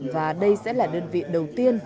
và đây sẽ là đơn vị đầu tiên